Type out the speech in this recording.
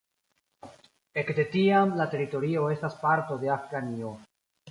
Ekde tiam la teritorio estas parto de Afganio.